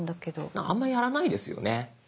あんまりやらないですよね。